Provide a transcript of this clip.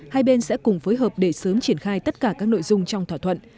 hai bên sẽ cùng phối hợp để sớm triển khai tất cả các nội dung trong thỏa thuận